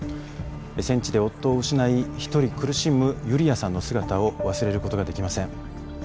戦地で夫を失い一人苦しむユリアさんの姿を忘れることができません。